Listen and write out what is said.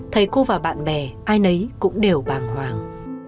thầy cô và bạn bè ai nấy cũng đều bàng hoàng